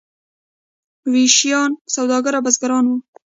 ویشیان سوداګر او بزګران وو.